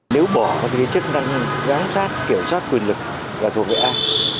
nếu bỏ cái chức năng giám sát kiểm soát quyền lực là thuộc về ai